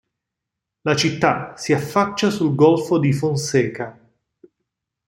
La città si affaccia sul golfo di Fonseca.